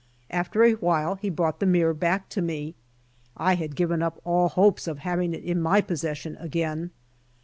After a while he brought the mirror back to me. I had given up all hopes of having it in my possession again.